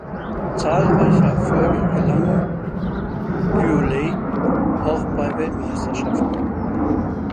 Zahlreiche Erfolge gelangen Gyulay auch bei Weltmeisterschaften.